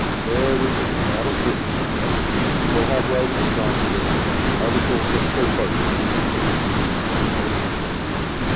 "Very well; that'll do, I guess. We'll have writings drawn to this effect articles of co partnership, you know." "Oh, yes."